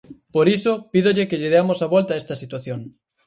Por iso, pídolle que lle deamos a volta a esta situación.